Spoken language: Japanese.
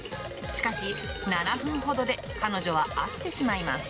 しかし、７分ほどで彼女は飽きてしまいます。